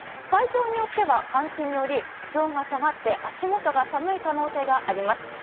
会場によっては換気により室温が下がり足元が寒くなっている可能性があります。